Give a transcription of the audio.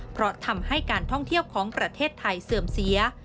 เพราะทำให้การท่องเที่ยวของประเทศไทยเสื่อมเสีย